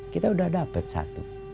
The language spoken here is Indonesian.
kita udah dapet satu